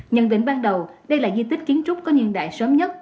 nhận định ban đầu đây là di tích kiến trúc có niên đại sớm nhất